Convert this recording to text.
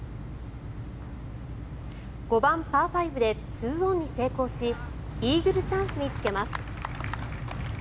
５番、パー５で２オンに成功しイーグルチャンスにつけます。